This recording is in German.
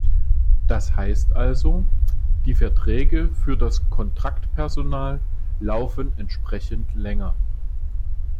Das heißt also, die Verträge für das Kontraktpersonal laufen entsprechend länger.